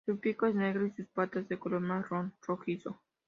Su pico es negro y sus patas de color marrón rojizo.